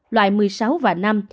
loại một mươi sáu và năm